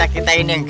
ada apaan sih